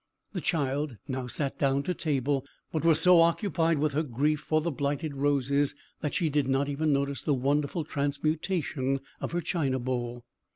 The child now sat down to table, but was so occupied with her grief for the blighted roses that she did not even notice the wonderful transmutation of her china bowl.